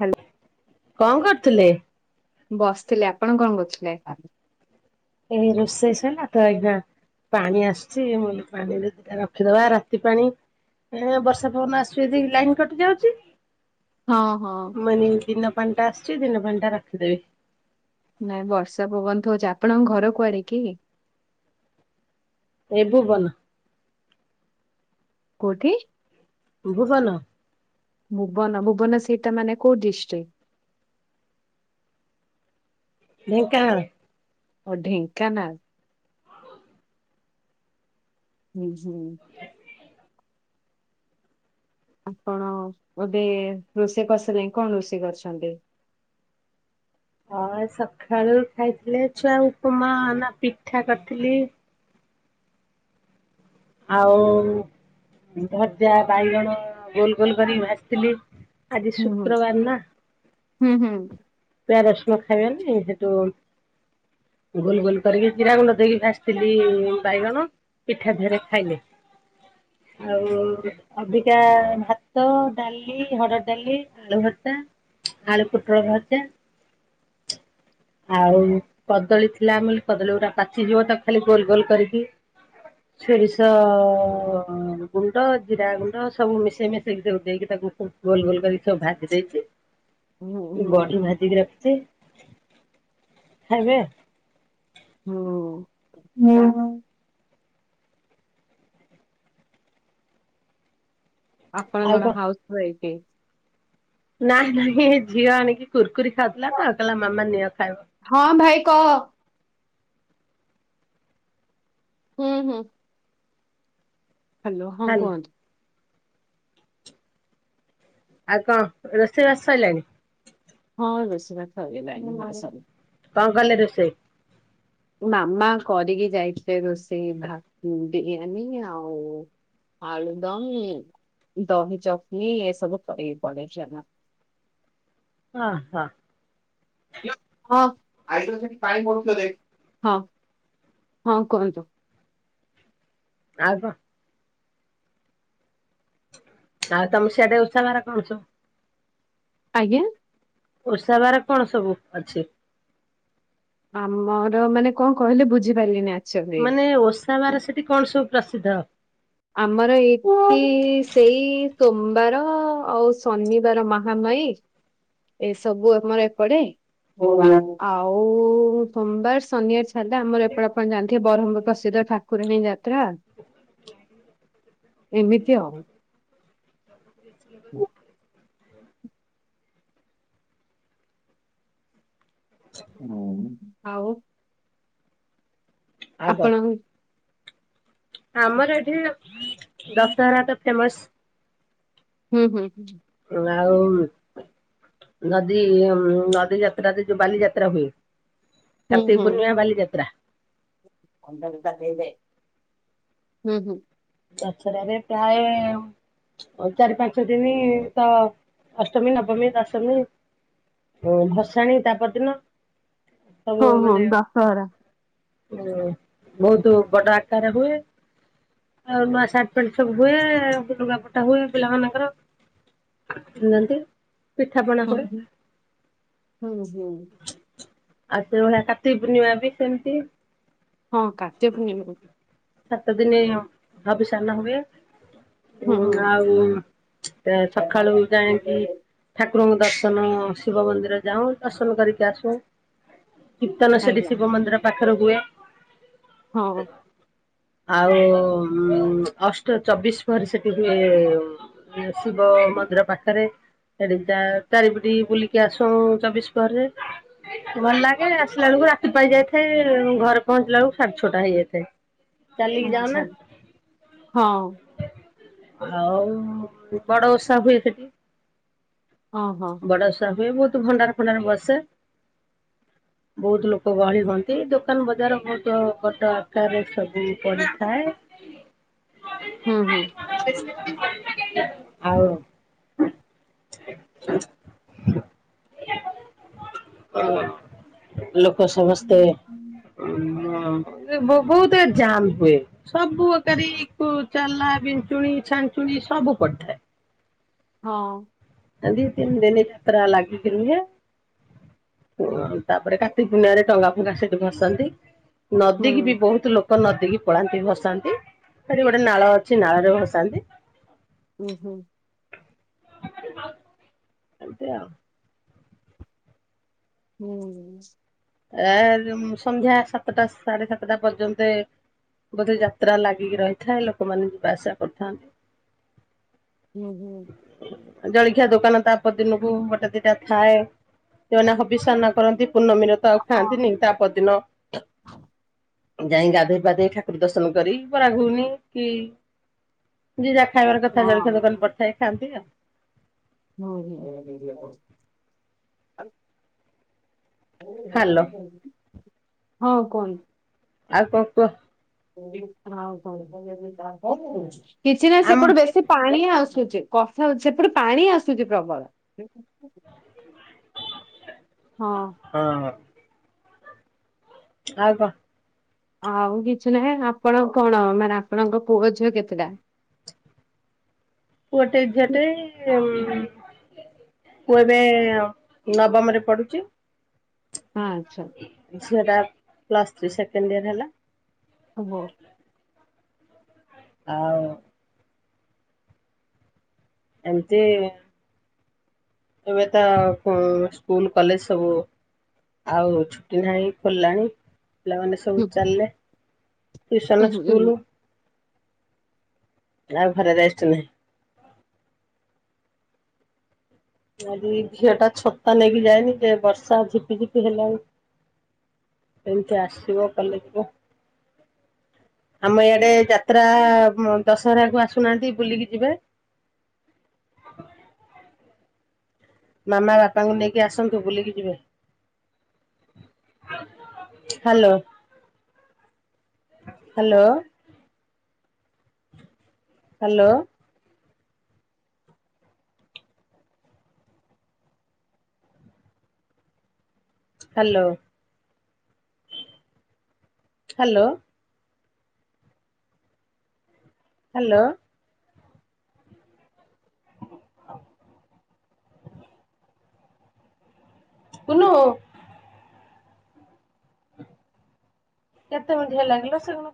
Hello କଣ କରୁଥିଲେ? ବସିଥିଲି। ଆପଣ କଣ କରୁଥିଲେ? ଏରୋଷେଇ ସଇଲାତ ଏଗା ପାଣି ଆସୁଛି ମୁଁ କଇଲି ଦିଟା ରଖିଦବା ରାତି ପାଣି। ଏ ବର୍ଷା ପବନ ଆସିବ ଜଦି ଲାଇନ କଟି ଯାଉଚି। ହଁ ହଁ ମୁଁ କହିଲି ଦିନ ପାଣିଟା ଆସୁଚି ଦିନ ପାଣିଟା ରଖିଦେବି। ନାଇଁ ବର୍ଷା ପବନନ୍ତ ହଉଛି ଆପଣଙ୍କ ଘର କୁଆଡେ କି? ଏ ଭୁବନ। କୋଉଠି? ଭୁବନ। ଭୁବନ ଭୁବନ ସେଇଟା ମାନେ କୋଉ ଡିଷ୍ଟ୍ରିକ୍ଟ? ଢେଙ୍କାନାଳ। ଓ ଢେଙ୍କାନାଳ ହୁଁ। ହୁଁ। ଆପଣ ବୋଧେ ରୋଷେଇ କରିସାରିଲେଣି କଣ ରୋଷେଇ କରିଛନ୍ତି? ହଁ ସକାଳୁ ଖାଇଥିଲେ ଛୁଆ ଉପମା ନା ପିଠା କରିଥିଲି। ଆଉ ଭଜା ବାଇଗଣ ଗୋଲ ଗୋଲ କରିକି ଭାଜିଥିଲି। ଆଜି ହୁଁ ହୁଁ ଶୁକ୍ରବାର ନା ହୁଁ ହୁଁ ପାରସ ନ ଖାଇ ଛନ୍ତି ହେଠୁ - ଗୁଲ ଗୁଲ କରିକି ଜିରା ଗୁଣ୍ଡ ଦେଇକି ଭାଜିଥିଲି ବାଇଗଣ ପିଠା ଫେରେ ଖାଇଲେ। ଆଉ ଅବିକା ଭାତ ଡାଲି ହରଡ ଡାଲି ଆଳୁ ଭରତା। ଆଳୁ ପୋଟଳ ଭଜା। ଆଉ କଦଳୀ ଥିଲା ଆମ କଦଳୀ ଗୁରା ପାଚିଯିବ ତାକୁ ଖାଲି ଗୋଲ ଗୋଲ କରିକି ସେ ଗୁଣ୍ଡ ଜିରା ଗୁଣ୍ଡ ସବୁ ମିଶେଇ ମାଶେଇକି ଦେଇକି ତାକୁବ ଗୋଲ ଗୋଲ ଯୋଡିକ ଭାଜି ଦେଇଛି ହୁଁ ହୁଁ ବଢ଼ି ଭାଜିକି ରଖିଛି। ହେବେ। ହୁଁ ଉଁ ହୁଁ। ଆପଣ କଣ ହାଉସୱାଇଫ? ନାଇଁ ନାଇଁ ଏ ଝିଅ ଆଣିକି କୁୁରକୁୁରି ଖାଉଥେଲା ଖାଉଥେଲା ମାମା ନିଅ ଖାଇବ। ହଁ ଭାଇ କହ ହୁଁ ହୁଁ? ହ୍ୟାଲୋ ହଁ ହାଲୋ କୁହନ୍ତୁ? ଆଉ କଣ ରୋଷେଇବାସ ସଇଲାଣି? ହଁ ରୋଷେଇ ବାସ ସରିଗଲାଣି [inaudible] କଣ କଲେ ରୋଷେଇ? ମାମା କରିକି ଯାଇଥିଲେ ରୋଷେଇ ଭା ବିରିୟାନୀ ଆଉ ଆଳୁଦମ ଦହି ଚକୁଳି ଏସବୁ କରିକି ପଡେ ଅ ହ। ହଁ ଆଇତ ପାଣି ମୋଡଲେ ହଁ। [inaudible] ହଁ କୁହନ୍ତୁ? ଆଉ କଣ। ତାହେଲେ ତ ସିଆଡେ ଉଷା ବାର କରୁଚୁ। ଆଜ୍ଞା। ଓର୍ଷା ବାର କଣ ସବୁ ଅଛି? ଆମର ମାନେ କଣ କହିଲେ ବୁଝିପାରିଲିନି ଆ ମାନେ ଓଷା ବାର ସେଠି କଣ ସବୁ ପ୍ରସିଦ୍ଧ? ଆମର ଏଇଠି ସେଇ ସୋମବାର ଆଉ ଶନିବାର ମହା ମାଇ? ଏସବୁ ଆମର ଏପଡେ ଆଉ ସୋମବାର, ଶନିବାର [unintelligible] ଆମର ଏପଟେ ଆପଣ ଜାଣିଥିବ ବହ୍ମପୁର ପ୍ରସିଦ୍ଧ ଠାକୁରାଣୀ ଯାତ୍ରା। ଏମିତି ଆଉ। [unintelligible] [unintelligible] ଆଉ ଆଗ? ଆପଣ ଆମର ଏଠି ଦଶହରା ତ ଫେମସ। ହୁଁ ହୁଁ ହୁଁ। ଆଉ ନଦୀ ନଦୀ ଯାତ୍ରା ଯୋଉ ବାଲିଯାତ୍ରା ହୁଏ। ହୁଁ କାର୍ତ୍ତିକ ହୁଁ। ପୂର୍ଣ୍ଣିମା ବାଲିଯାତ୍ରା। [unintelligible] ହୁଁ ହୁଁ। ଦଶହରାରେ ପ୍ରାୟ ଚାରି ପାଞ୍ଚ ଦିନ ତ ଅଷ୍ଟମୀ, ନବମୀ, ଦଶମୀ ଭସାଣି ତା ପରଦିନ। ହଁ ହଁ ଦଶହରା। ହୁଁ ବହୁତ ବଡ ଆକାର ରେ ହୁଏ। ଆଉ ନୂଆ ସାର୍ଟ ପ୍ୟାଣ୍ଟ ସବୁ ହୁଏ। ଆଉ ଲୁଗାପଟା ହୁଏ ପିଲାମାନଙ୍କର। [unintelligible] ହୁଁ ହୁଏ ହୁଁ ହୁଁ ହୁଁ। ଆଉ ସେଇ ଭଳିଆ କାର୍ତ୍ତିକ ପୂର୍ଣ୍ଣିମା ବି ସେମିତି। ହଁ କାର୍ତ୍ତିକ ପୂର୍ଣ୍ଣିମା ବି। ସାତ ଦିନି ହବିସାନ ହୁଏ। ହୁଁ ହୁଁ। ଆଉ ଅ ସକାଳୁ ଯାଣିକି ଠା ଠାକୁରଙ୍କ ଦର୍ଶନ ଶିବ ମନ୍ଦିର ଯାଉ ଦର୍ଶନ କରିକି ଆସୁ। କିର୍ତ୍ତନ ସେଠୀ ଆଜ୍ଞା ଶିବ ମନ୍ଦିର ପାଖରେ ହୁଏ। ହଁ। ଆଉ ଅଷ୍ଟ ଚବିଶ ପରେ ସେଠି ହୁଏ। ଶିବ ମନ୍ଦିର ପାଖରେ। ସେଠି ଚା ଚାରିପିଟିବୁଲିକି ଆସୁ ଚବିଶ ପ। ଭଲ ଲାଗେ ଆସିଲା ବେଳକୁ ରାତି ପାହି ଯାଇଥାଏ। ଘରେ ପହଞ୍ଚିଲା ବେଳକୁ ସାଢେ ଛଅଟା ହେଇଯାଇଥାଏ। ଚାଲିକି ଯାାଉ ଆଚ୍ଛା ନା। ହଁ। ଆଉ, ବଡ ଓଷା ହୁଏ ସେଠି। ହଁ ହଁ ବଡ଼ଓଷା ହୁଏ। ବହୁତ ଭଣ୍ଡାର ଫଣ୍ଡାର ବସେ। ବହୁତ ଲୋକ ଗଳି ହୁଅନ୍ତି। ଦୋକାନ ବଜାର ବହୁତ ବଡ ଆକାରରେ ସବୁ ପଡିଥାଏ। [inaudible] ହୁଁ ହୁଁ। ଆଉ। [unintelligible] ଲୋକ ସମସ୍ତେ ଉଁ ଅ ହ ବହୁତ ଜାମ୍ ହୁଏ। ସବୁଅକାରି ଚାଲା, ବିଞ୍ଚୁଣି ଛାଞ୍ଜୁଣି ସବୁ ପଡିଥାଏ। ହଁ। ତା ଦି ତିନି ଦିନ ଯାତ୍ରା ଲାଗି କି ରୁହେ। ଓ ତାପରେ କାର୍ତ୍ତିକ ପୁର୍ଣିମା ରେ ଟଙ୍ଗା ଫଙ୍ଗା ସେଠି ଭସାନ୍ତି। ନଦୀ ହୁଁ କି ବି ବହୁତ ଲୋ ନଦୀ କିି ପଳାନ୍ତି ଭସାନ୍ତି। ସେଠି ଗୋଟେ ନାଳ ଅଛି ନାଳରେ ଭସାନ୍ତି। ଉଁ ହୁଁ। ଏମିତି ଆଉ। ହୁଁ। ଏ ସନ୍ଧ୍ୟା ସାତଟା ସାଢେ ସାତଟା ପର୍ଯ୍ୟନ୍ତେ ବୋଧେ ଯାତ୍ରା ଲାଗିକି ରହିଥାଏ ଲୋକମାନେ ଯିବା ଆସିବା କରିଥାନ୍ତି। ଉଁହୁଁ। ଜଳଖିଆ ଦୋକାନ ତା ପର ଦିନକୁ ଗୋଟେ ଦିଟା ଥାଏ ସେମାନେ ହବିଷ ଅନ୍ନ କରନ୍ତି ପୂର୍ଣ୍ଣମିର ତ ଆଉ ଖାଆନ୍ତିନି ହଁ ତା ପରଦିନ ଯାଇକି ଗାଧେଇ ପାଧେଇ ଠାକୁର ଦର୍ଶନ କରି ବରା ଘୁଗୁନି କି ଯି ଯାହା ଖାଇବାର କଥା ହଁ ଜଳଖିଆ ଦୋକାନ ପଡିଥାଏ ଖାଆନ୍ତି ଆ ହଁ [unintelligible] ହାଲୋ। ହୋଉ କୁହନ୍ ଆଉ କ କୁଅ? କିଛି ନାଇ ଆମ ସେପଟୁ ବେଶୀ ପାଣି ଆ ସୁଚି କଥା ସେପଟେ ପାଣି ଆସୁଚି ପ୍ରବଳ। ହଁ ଅହ। ଆଉ କ ଆଉ କିଛି ନାହିଁ ଆପଣ କଣ ମାନେ ଆପଣଙ୍କ ପୁଅ ଝିଅ କେତେଟା? ପୁଅଟେ ଝିଅଟେ ଏମ୍ ପୁଅ ଏବେ ନବମରେ ପଢୁଚି। ଆଛା। ଝିଅଟା ପ୍ଲସଥ୍ରୀ ସେକେଣ୍ଡ ୟର ହେଲା। ଓହୋ। ଆଉ ଏମତି ଏବେ ତ କୁଁ ସ୍କୁଲ କଲେଜ ସବୁ ଆଉ ଛୁଟି ନାହିଁ ଖୋଲିଲାଣି। ପିଲାମାନେ ସବୁ ଚଲଲେ ଟିସନ ହଉ ସ୍କୁଲୁ। ଆଉ ଘରେ ରେଷ୍ଟ ନାହିଁ। ଆଜି ଝିଅଟା ଛତା ନେଇକି ଯାଏନି ଯେ ବର୍ଷା ଝିପିଝିପି ହେଲାଣି। ଏମତି ଆସିବ କାଲି ଥିବ। ଆମ ଇଆଡେ ଯାତ୍ରା ମ୍ ଦଶହରାକୁ ଆସୁନାହାନ୍ତି ବୁଲିକି ଯିବେ। ମାମା ବାପାଙ୍କୁ ନେଇକି ଆସନ୍ତୁ ବୁଲିକି ଯିବେ। Hello. Hello. Hello. Hello. Hello. Hello. କୁନୁ କେତେ ମିନଟି ହେଲାଣିିଲୋ ସେ ପୁଣି